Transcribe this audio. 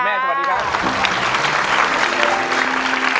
คุณแม่สวัสดีครับ